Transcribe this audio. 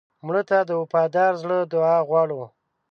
مړه ته د وفادار زړه دعا غواړو